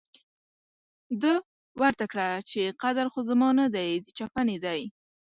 ده ورته کړه چې قدر خو زما نه دی، د چپنې دی.